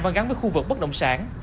văn gắn với khu vực bất đồng sản